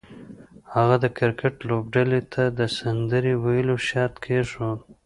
هغه د کرکټ لوبډلې ته د سندرې ویلو شرط کېښود